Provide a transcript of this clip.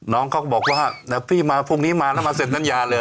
น้องเขาก็บอกว่าพี่มาพรุ่งนี้มาแล้วมาเสร็จตัญญาเลย